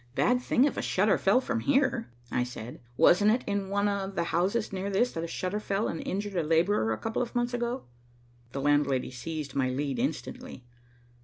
"Bad thing if a shutter fell from here," I said. "Wasn't it in one of the houses near this that the shutter fell and injured a laborer a couple of months ago?" The landlady seized my lead instantly.